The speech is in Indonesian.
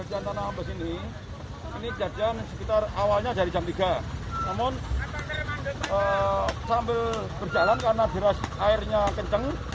yang sekitar awalnya dari jam tiga namun sambil berjalan karena beras airnya kenceng